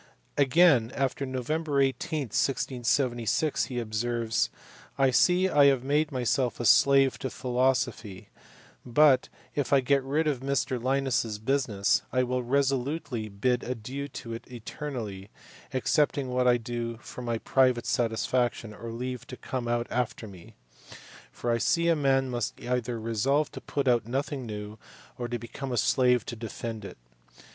Again on Nov. 18, 1676, he observes, " I see I have made myself a slave to philosophy ; but, if I get rid of Mr Liims s business, I will resolutely bid adieu to it eternally, excepting what I do for my private satisfaction, or leave to come out after me ; for I see a man must either resolve to put out nothing new, or to become a slave to defend it."